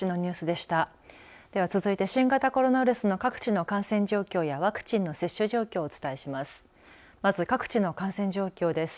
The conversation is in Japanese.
では続いて新型コロナウイルスの各地の感染状況やワクチンの接種状況をお伝えします。